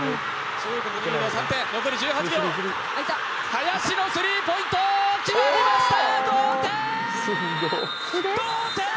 林のスリーポイント決まりました！